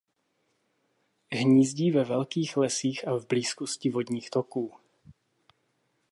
Hnízdí ve vlhkých lesích a v blízkosti vodních toků.